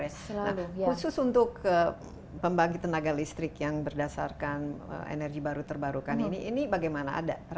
nah khusus untuk pembangkit tenaga listrik yang berdasarkan energi baru terbarukan ini bagaimana